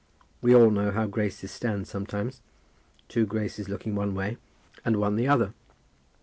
We all know how Graces stand sometimes; two Graces looking one way, and one the other.